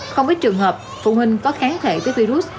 không ít trường hợp phụ huynh có kháng thể với virus